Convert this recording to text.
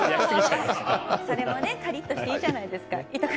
それもカリッとしていいじゃないですか。